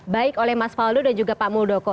baik oleh mas faldo dan juga pak muldoko